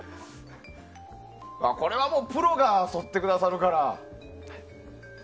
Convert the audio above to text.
これはもうプロがそってくださるから。